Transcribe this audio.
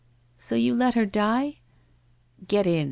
' So you let her die! '' Get in